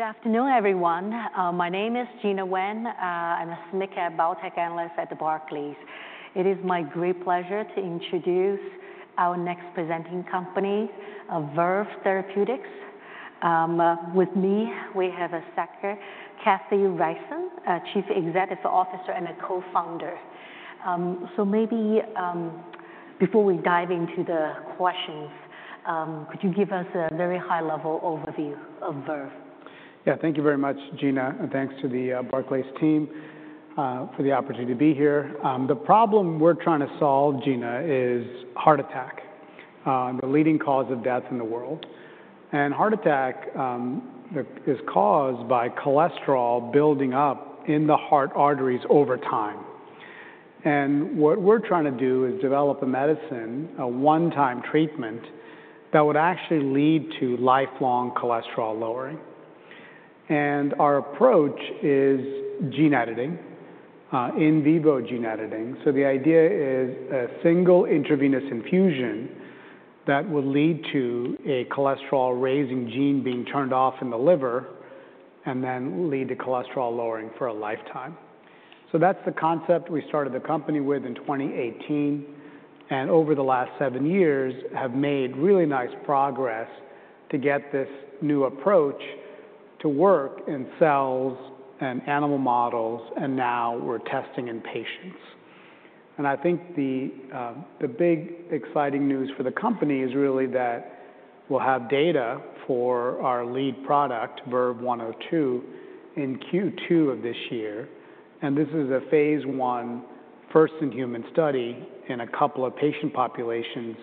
Good afternoon, everyone. My name is Gena Wang. I'm a SMID Cap Biotech Analyst at Barclays. It is my great pleasure to introduce our next presenting company, Verve Therapeutics. With me, we have Sekar Kathiresan, Chief Executive Officer and a Co-Founder. Maybe before we dive into the questions, could you give us a very high-level overview of Verve? Yeah, thank you very much, Gena, and thanks to the Barclays team for the opportunity to be here. The problem we're trying to solve, Gena, is heart attack, the leading cause of death in the world. Heart attack is caused by cholesterol building up in the heart arteries over time. What we're trying to do is develop a medicine, a one-time treatment that would actually lead to lifelong cholesterol lowering. Our approach is gene editing, in vivo gene editing. The idea is a single intravenous infusion that will lead to a cholesterol-raising gene being turned off in the liver and then lead to cholesterol lowering for a lifetime. That's the concept we started the company with in 2018. Over the last seven years, we have made really nice progress to get this new approach to work in cells and animal models. Now we're testing in patients. I think the big exciting news for the company is really that we'll have data for our lead product, VERVE-102, in Q2 of this year. This is a phase I first-in-human study in a couple of patient populations,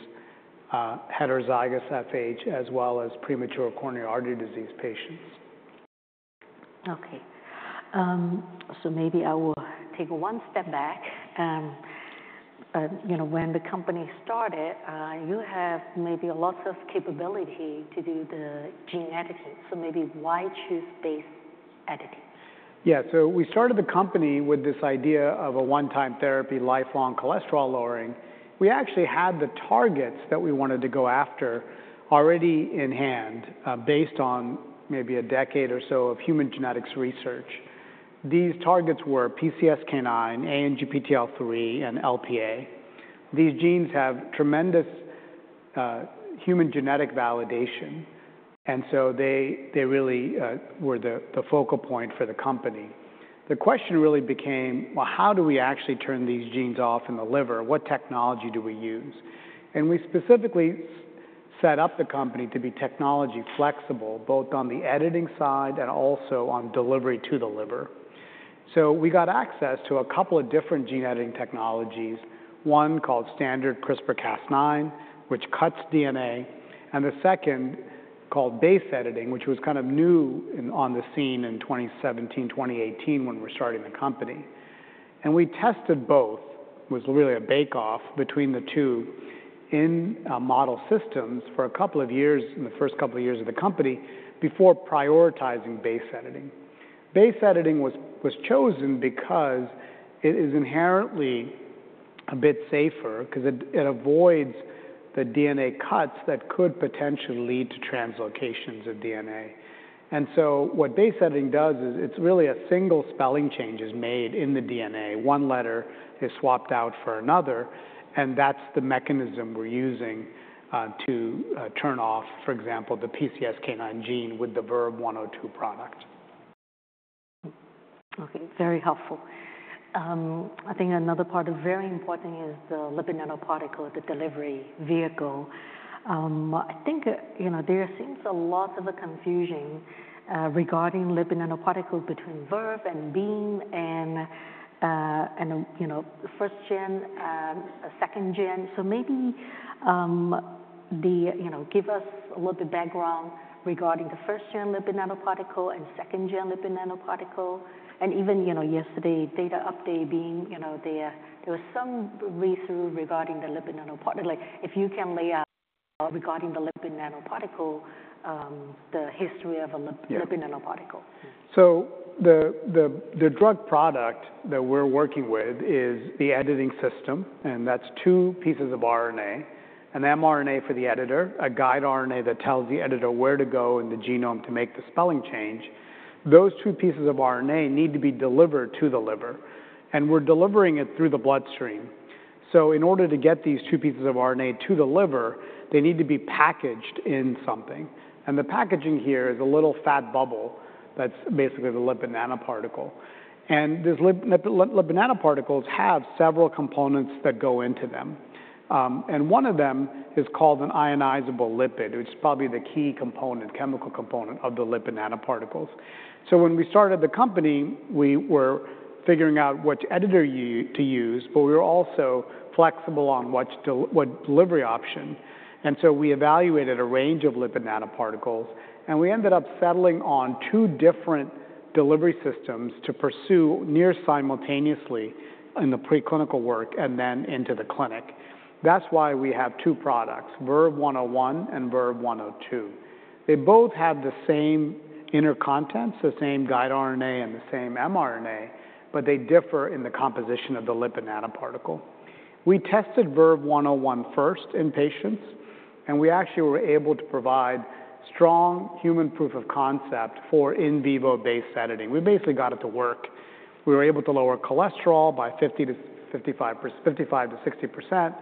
heterozygous FH, as well as premature coronary artery disease patients. Okay. Maybe I will take one step back. When the company started, you have maybe a lot of capability to do the gene editing. Maybe why choose base editing? Yeah, so we started the company with this idea of a one-time therapy, lifelong cholesterol lowering. We actually had the targets that we wanted to go after already in hand based on maybe a decade or so of human genetics research. These targets were PCSK9, ANGPTL3, and LPA. These genes have tremendous human genetic validation. They really were the focal point for the company. The question really became, how do we actually turn these genes off in the liver? What technology do we use? We specifically set up the company to be technology flexible, both on the editing side and also on delivery to the liver. We got access to a couple of different gene editing technologies, one called standard CRISPR-Cas9, which cuts DNA, and the second called base editing, which was kind of new on the scene in 2017, 2018 when we were starting the company. We tested both, was really a bake-off between the two, in model systems for a couple of years, in the first couple of years of the company, before prioritizing base editing. Base editing was chosen because it is inherently a bit safer because it avoids the DNA cuts that could potentially lead to translocations of DNA. What base editing does is it's really a single spelling change is made in the DNA. One letter is swapped out for another. That's the mechanism we're using to turn off, for example, the PCSK9 gene with the VERVE-102 product. Okay, very helpful. I think another part of very important is the lipid nanoparticle, the delivery vehicle. I think there seems a lot of confusion regarding lipid nanoparticle between Verve and Beam and first-gen, second-gen. Maybe give us a little bit of background regarding the first-gen lipid nanoparticle and second-gen lipid nanoparticle. Even yesterday, data update being there, there was some read-through regarding the lipid nanoparticle. If you can lay out regarding the lipid nanoparticle, the history of a lipid nanoparticle. The drug product that we're working with is the editing system. And that's two pieces of RNA, an mRNA for the editor, a guide RNA that tells the editor where to go in the genome to make the spelling change. Those two pieces of RNA need to be delivered to the liver. We're delivering it through the bloodstream. In order to get these two pieces of RNA to the liver, they need to be packaged in something. The packaging here is a little fat bubble that's basically the lipid nanoparticle. These lipid nanoparticles have several components that go into them. One of them is called an ionizable lipid, which is probably the key chemical component of the lipid nanoparticles. When we started the company, we were figuring out which editor to use, but we were also flexible on what delivery option. We evaluated a range of lipid nanoparticles. We ended up settling on two different delivery systems to pursue near simultaneously in the preclinical work and then into the clinic. That is why we have two products, VERVE-101 and VERVE-102. They both have the same inner contents, the same guide RNA and the same mRNA, but they differ in the composition of the lipid nanoparticle. We tested VERVE-101 first in patients. We actually were able to provide strong human proof of concept for in vivo base editing. We basically got it to work. We were able to lower cholesterol by 50%-60%.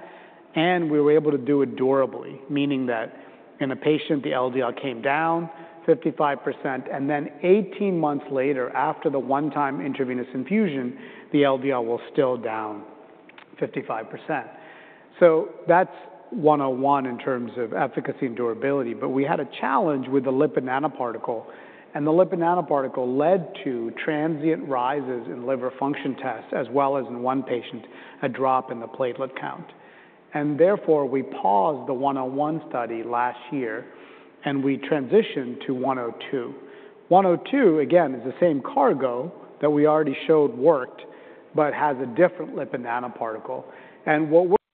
We were able to do it durably, meaning that in a patient, the LDL came down 55%. Eighteen months later, after the one-time intravenous infusion, the LDL was still down 55%. That is 101 in terms of efficacy and durability. We had a challenge with the lipid nanoparticle. The lipid nanoparticle led to transient rises in liver function tests, as well as in one patient, a drop in the platelet count. Therefore, we paused the 101 study last year. We transitioned to 102. 102, again, is the same cargo that we already showed worked, but has a different lipid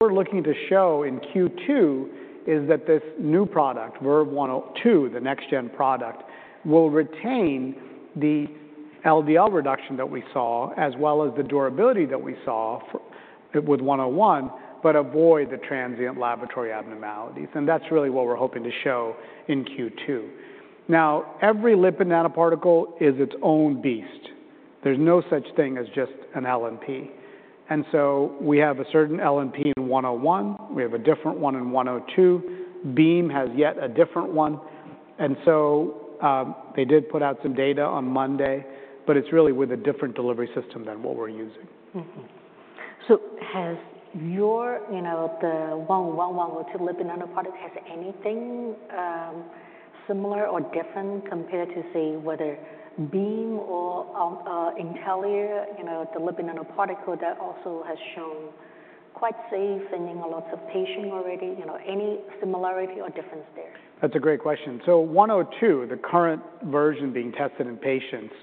nanoparticle. What we are looking to show in Q2 is that this new product, VERVE-102, the next-gen product, will retain the LDL reduction that we saw, as well as the durability that we saw with 101, but avoid the transient laboratory abnormalities. That is really what we are hoping to show in Q2. Now, every lipid nanoparticle is its own beast. There is no such thing as just an LNP. We have a certain LNP in 101. We have a different one in 102. Beam has yet a different one. They did put out some data on Monday, but it is really with a different delivery system than what we are using. Has the 102 lipid nanoparticle has anything similar or different compared to, say, whether Beam or Intellia, the lipid nanoparticle that also has shown quite safe and in lots of patients already, any similarity or difference there? That's a great question. 102, the current version being tested in patients,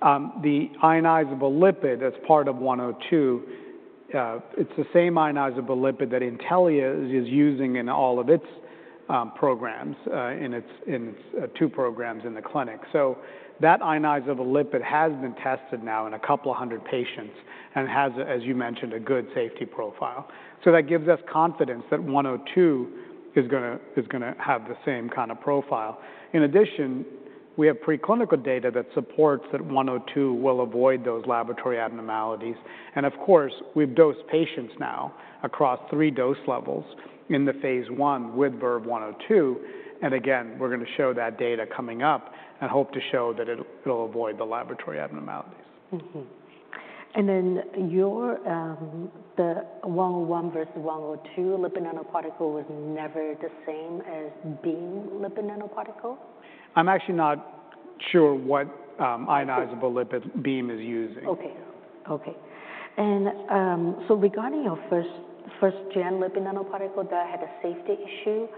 the ionizable lipid that's part of 102, it's the same ionizable lipid that Intellia is using in all of its programs in its two programs in the clinic. That ionizable lipid has been tested now in a couple of hundred patients and has, as you mentioned, a good safety profile. That gives us confidence that 102 is going to have the same kind of profile. In addition, we have preclinical data that supports that 102 will avoid those laboratory abnormalities. Of course, we've dosed patients now across three dose levels in the phase one with VERVE-102. Again, we're going to show that data coming up and hope to show that it'll avoid the laboratory abnormalities. The 101 versus 102 lipid nanoparticle was never the same as Beam lipid nanoparticle? I'm actually not sure what ionizable lipid Beam is using. Okay. Okay. Regarding your first-gen lipid nanoparticle that had a safety issue,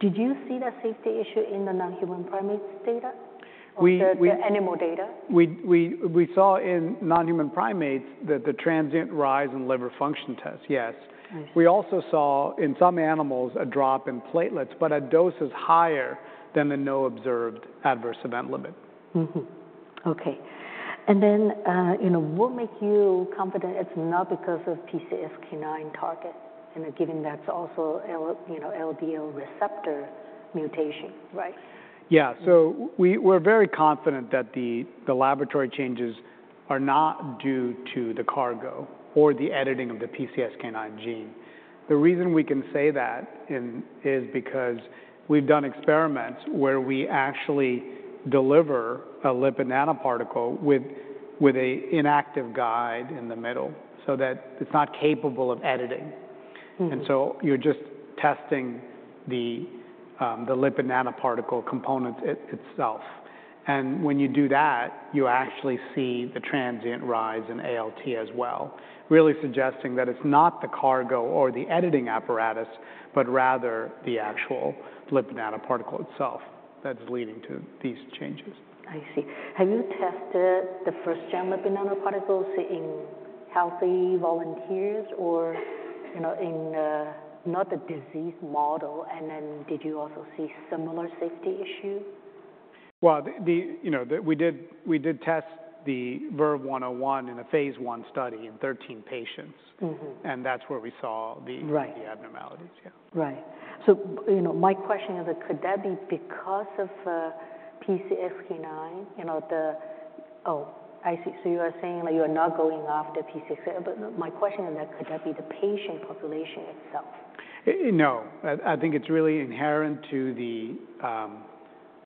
did you see that safety issue in the non-human primates data or the animal data? We saw in non-human primates the transient rise in liver function tests, yes. We also saw in some animals a drop in platelets, but at doses higher than the no-observed adverse event limit. Okay. What makes you confident it's not because of PCSK9 target, given that's also LDL receptor mutation, right? Yeah. We are very confident that the laboratory changes are not due to the cargo or the editing of the PCSK9 gene. The reason we can say that is because we've done experiments where we actually deliver a lipid nanoparticle with an inactive guide in the middle so that it's not capable of editing. You are just testing the lipid nanoparticle component itself. When you do that, you actually see the transient rise in ALT as well, really suggesting that it's not the cargo or the editing apparatus, but rather the actual lipid nanoparticle itself that's leading to these changes. I see. Have you tested the first-gen lipid nanoparticles in healthy volunteers or in not the disease model? Did you also see similar safety issues? We did test the VERVE-101 in a phase I study in 13 patients. That's where we saw the abnormalities, yeah. Right. My question is, could that be because of PCSK9? Oh, I see. You are saying that you are not going after PCSK9. My question is, could that be the patient population itself? No. I think it's really inherent to the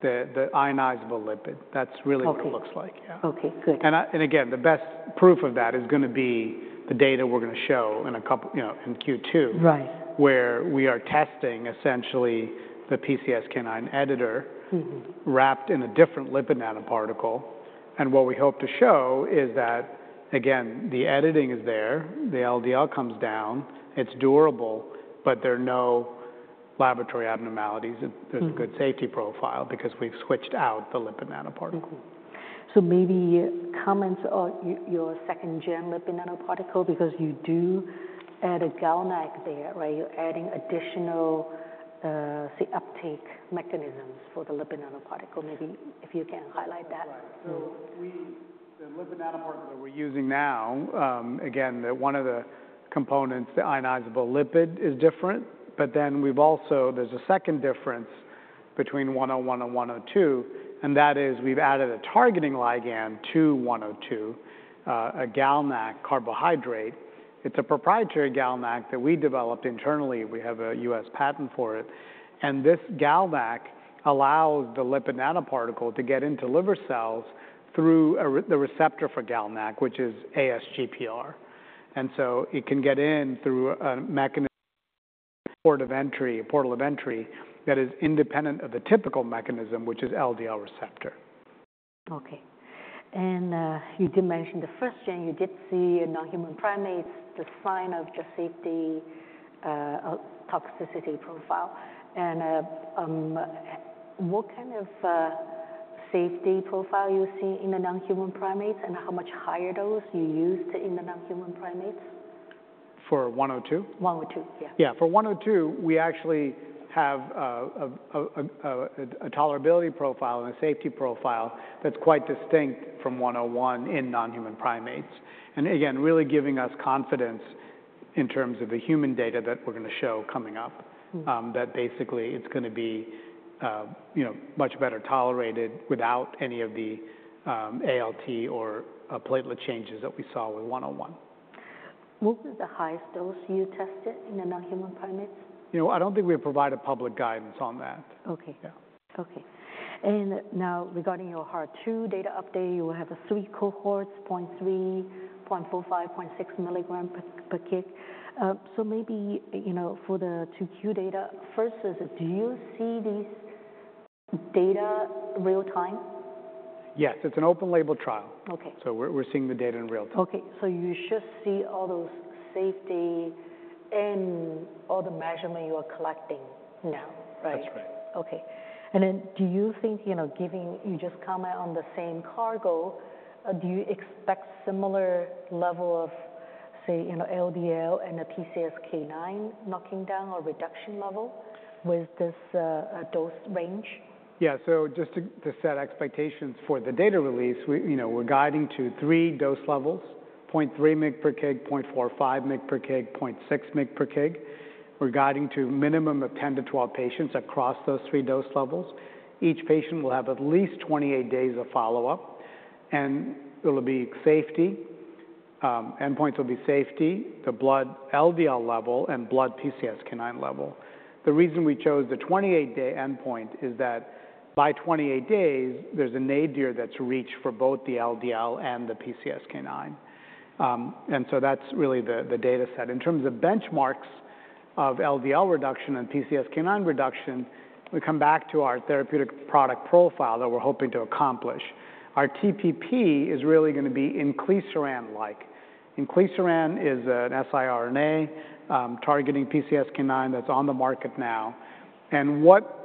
ionizable lipid. That's really what it looks like, yeah. Okay, good. The best proof of that is going to be the data we're going to show in Q2, where we are testing essentially the PCSK9 editor wrapped in a different lipid nanoparticle. What we hope to show is that, again, the editing is there. The LDL comes down. It's durable, but there are no laboratory abnormalities. There's a good safety profile because we've switched out the lipid nanoparticle. Maybe comments on your second-gen lipid nanoparticle because you do add a GalNAc there, right? You're adding additional uptake mechanisms for the lipid nanoparticle. Maybe if you can highlight that. The lipid nanoparticle that we're using now, again, one of the components, the ionizable lipid, is different. Then there's a second difference between 101 and 102. That is we've added a targeting ligand to 102, a GalNAc carbohydrate. It's a proprietary GalNAc that we developed internally. We have a U.S. patent for it. This GalNAc allows the lipid nanoparticle to get into liver cells through the receptor for GalNAc, which is ASGPR. It can get in through a port of entry that is independent of the typical mechanism, which is LDL receptor. Okay. You did mention the first-gen, you did see in non-human primates the sign of just safety toxicity profile. What kind of safety profile do you see in the non-human primates and how much higher dose did you use in the non-human primates? For 102? 102, yeah. Yeah. For 102, we actually have a tolerability profile and a safety profile that's quite distinct from 101 in non-human primates. Again, really giving us confidence in terms of the human data that we're going to show coming up, that basically it's going to be much better tolerated without any of the ALT or platelet changes that we saw with 101. What was the highest dose you tested in the non-human primates? I don't think we have provided public guidance on that. Okay. Okay. Now regarding your Heart-2 data update, you will have three cohorts, 0.3, 0.45, 0.6 mg per kg. Maybe for the 2Q data, first is, do you see these data real-time? Yes. It's an open-label trial. We're seeing the data in real time. Okay. You should see all those safety and all the measurement you are collecting now, right? That's right. Okay. Do you think, given you just comment on the same cargo, do you expect similar level of, say, LDL and the PCSK9 knocking down or reduction level with this dose range? Yeah. Just to set expectations for the data release, we're guiding to three dose levels, 0.3 mg per kg, 0.45 mg per kg, 0.6 mg per kg. We're guiding to a minimum of 10-12 patients across those three dose levels. Each patient will have at least 28 days of follow-up. It'll be safety. Endpoints will be safety, the blood LDL level, and blood PCSK9 level. The reason we chose the 28-day endpoint is that by 28 days, there's a nadir that's reached for both the LDL and the PCSK9. That's really the data set. In terms of benchmarks of LDL reduction and PCSK9 reduction, we come back to our therapeutic product profile that we're hoping to accomplish. Our TPP is really going to be inclisiran-like. Inclisiran is an siRNA targeting PCSK9 that's on the market now. What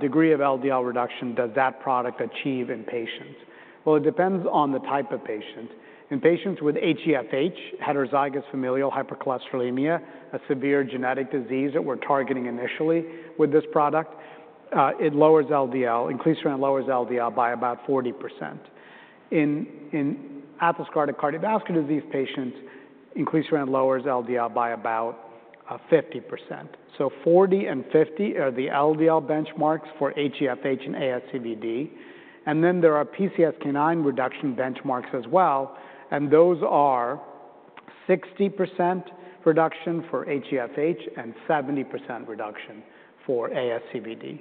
degree of LDL reduction does that product achieve in patients? It depends on the type of patient. In patients with HeFH, heterozygous familial hypercholesterolemia, a severe genetic disease that we're targeting initially with this product, inclisiran lowers LDL by about 40%. In atherosclerotic cardiovascular disease patients, inclisiran lowers LDL by about 50%. Forty and 50 are the LDL benchmarks for HeFH and ASCVD. There are PCSK9 reduction benchmarks as well. Those are 60% reduction for HeFH and 70% reduction for ASCVD.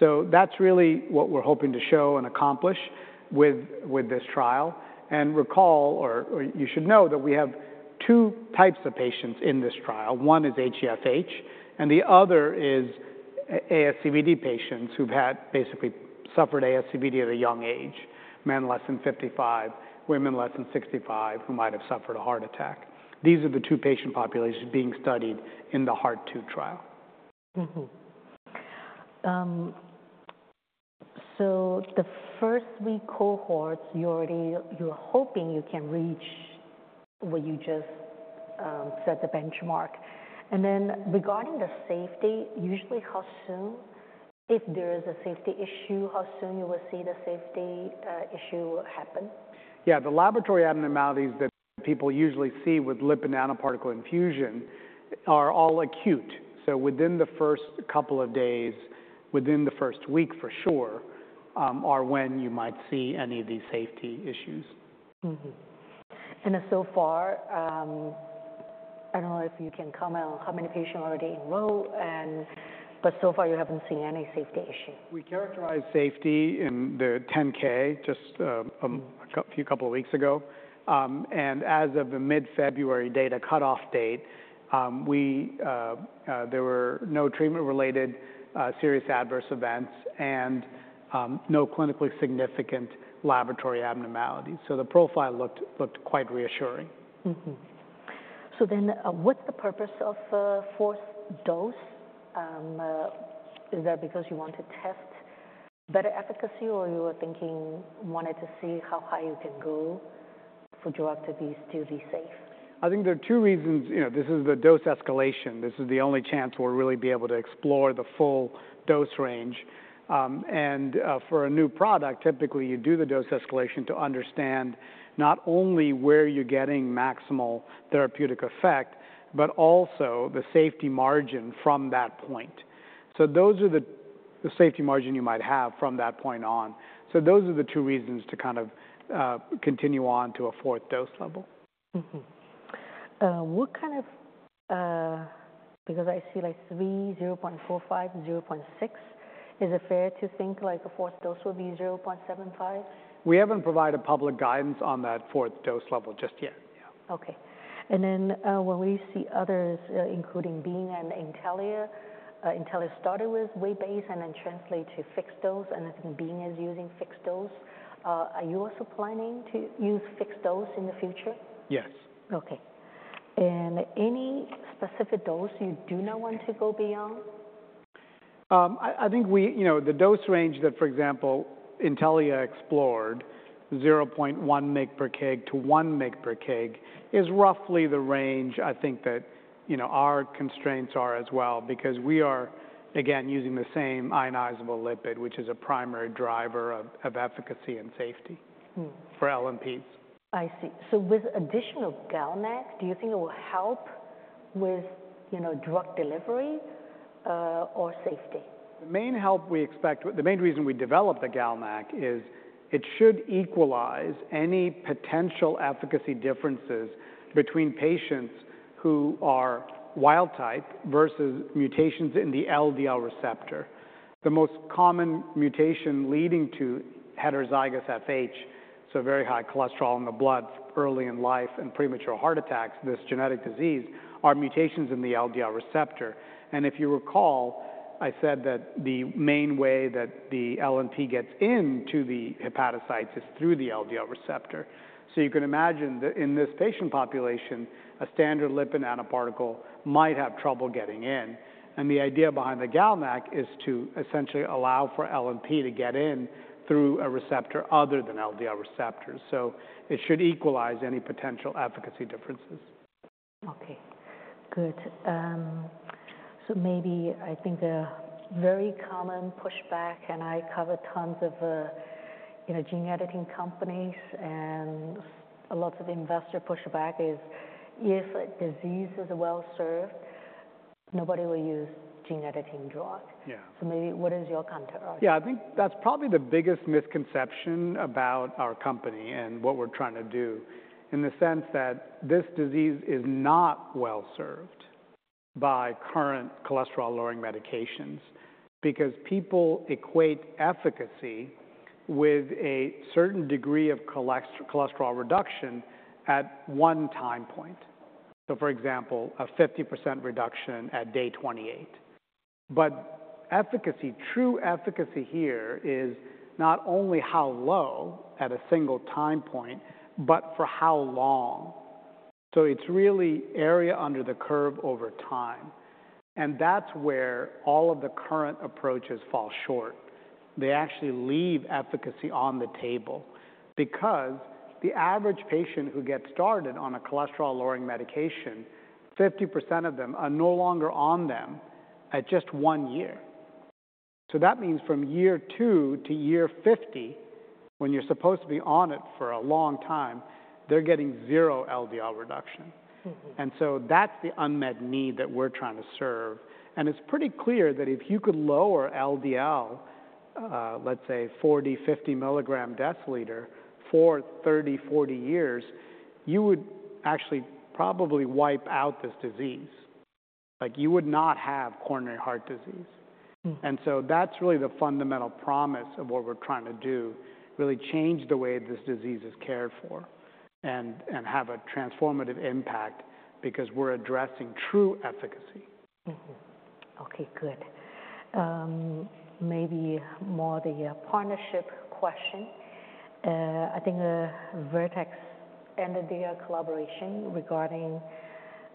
That is really what we're hoping to show and accomplish with this trial. Recall, or you should know, that we have two types of patients in this trial. One is HeFH, and the other is ASCVD patients who've basically suffered ASCVD at a young age, men less than 55, women less than 65 who might have suffered a heart attack. These are the two patient populations being studied in the Heart-2 trial. The first three cohorts, you're hoping you can reach what you just said, the benchmark. Regarding the safety, usually how soon, if there is a safety issue, how soon you will see the safety issue happen? Yeah. The laboratory abnormalities that people usually see with lipid nanoparticle infusion are all acute. Within the first couple of days, within the first week for sure, are when you might see any of these safety issues. So far, I don't know if you can comment on how many patients already enrolled, but so far you haven't seen any safety issue. We characterized safety in the 10-K just a couple of weeks ago. As of the mid-February data cutoff date, there were no treatment-related serious adverse events and no clinically significant laboratory abnormalities. The profile looked quite reassuring. What's the purpose of the fourth dose? Is that because you want to test better efficacy or you were thinking wanted to see how high you can go for drug to be still safe? I think there are two reasons. This is the dose escalation. This is the only chance we'll really be able to explore the full dose range. For a new product, typically you do the dose escalation to understand not only where you're getting maximal therapeutic effect, but also the safety margin from that point. Those are the safety margin you might have from that point on. Those are the two reasons to kind of continue on to a fourth dose level. What kind of, because I see like three, 0.45, 0.6, is it fair to think like a fourth dose would be 0.75? We haven't provided public guidance on that fourth dose level just yet, yeah. Okay. When we see others, including Beam and Intellia, Intellia started with weight-based and then translated to fixed dose, and I think Beam is using fixed dose. Are you also planning to use fixed dose in the future? Yes. Okay. Any specific dose you do not want to go beyond? I think the dose range that, for example, Intellia explored, 0.1 mg per kg to 1 mg per kg, is roughly the range I think that our constraints are as well because we are, again, using the same ionizable lipid, which is a primary driver of efficacy and safety for LNPs. I see. With additional GalNAc, do you think it will help with drug delivery or safety? The main help we expect, the main reason we developed the GalNAc is it should equalize any potential efficacy differences between patients who are wild type versus mutations in the LDL receptor. The most common mutation leading to heterozygous FH, so very high cholesterol in the blood early in life and premature heart attacks, this genetic disease, are mutations in the LDL receptor. If you recall, I said that the main way that the LNP gets into the hepatocytes is through the LDL receptor. You can imagine that in this patient population, a standard lipid nanoparticle might have trouble getting in. The idea behind the GalNAc is to essentially allow for LNP to get in through a receptor other than LDL receptors. It should equalize any potential efficacy differences. Okay. Good. Maybe I think a very common pushback, and I cover tons of gene editing companies and lots of investor pushback, is if a disease is well served, nobody will use a gene editing drug. Maybe what is your counterargument? Yeah. I think that's probably the biggest misconception about our company and what we're trying to do in the sense that this disease is not well served by current cholesterol-lowering medications because people equate efficacy with a certain degree of cholesterol reduction at one time point. For example, a 50% reduction at day 28. True efficacy here is not only how low at a single time point, but for how long. It is really area under the curve over time. That is where all of the current approaches fall short. They actually leave efficacy on the table because the average patient who gets started on a cholesterol-lowering medication, 50% of them are no longer on them at just one year. That means from year two to year 50, when you're supposed to be on it for a long time, they're getting zero LDL reduction. That is the unmet need that we're trying to serve. It is pretty clear that if you could lower LDL, let's say 40-50 milligram per deciliter for 30-40 years, you would actually probably wipe out this disease. You would not have coronary heart disease. That is really the fundamental promise of what we're trying to do, really change the way this disease is cared for and have a transformative impact because we're addressing true efficacy. Okay. Good. Maybe more the partnership question. I think Vertex ended their collaboration regarding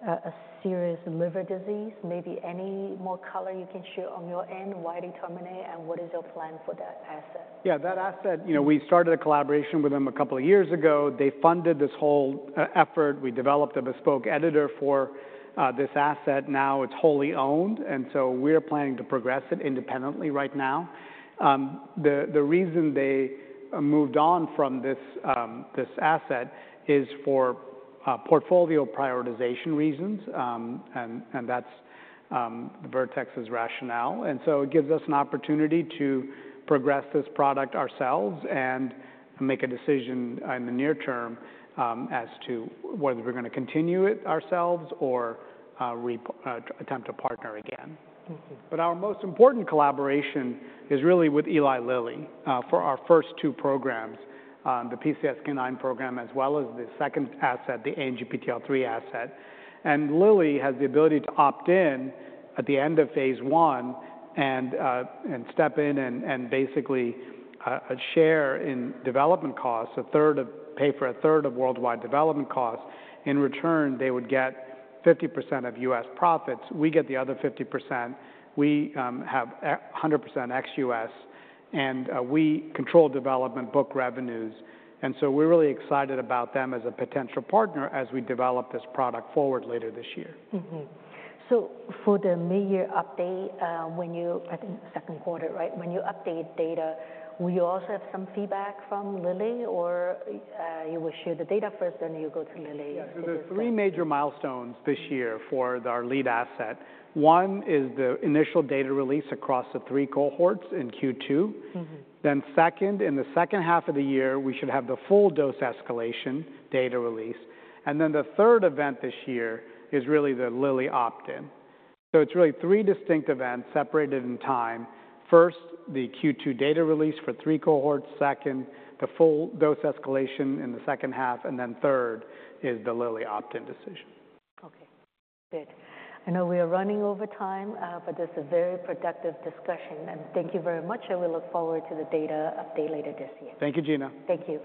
a serious liver disease. Maybe any more color you can share on your end, why they terminate, and what is your plan for that asset? Yeah. That asset, we started a collaboration with them a couple of years ago. They funded this whole effort. We developed a bespoke editor for this asset. Now it's wholly owned. We are planning to progress it independently right now. The reason they moved on from this asset is for portfolio prioritization reasons, and that's Vertex's rationale. It gives us an opportunity to progress this product ourselves and make a decision in the near term as to whether we're going to continue it ourselves or attempt to partner again. Our most important collaboration is really with Eli Lilly for our first two programs, the PCSK9 program as well as the second asset, the ANGPTL3 asset. Lilly has the ability to opt in at the end of phase one and step in and basically share in development costs, pay for a third of worldwide development costs. In return, they would get 50% of U.S. profits. We get the other 50%. We have 100% ex-U.S., and we control development book revenues. We are really excited about them as a potential partner as we develop this product forward later this year. For the mid-year update, when you, I think second quarter, right? When you update data, will you also have some feedback from Lilly or you will share the data first, then you go to Lilly? Yeah. So there are three major milestones this year for our lead asset. One is the initial data release across the three cohorts in Q2. Then second, in the second half of the year, we should have the full dose escalation data release. The third event this year is really the Lilly opt-in. It is really three distinct events separated in time. First, the Q2 data release for three cohorts. Second, the full dose escalation in the second half. Third is the Lilly opt-in decision. Okay. Good. I know we are running over time, but this is a very productive discussion. Thank you very much, and we look forward to the data update later this year. Thank you, Gena. Thank you.